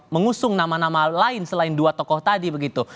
mengusung nama nama lain selain dua tokoh tadi begitu